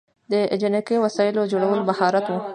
د جنګي وسایلو جوړول مهارت و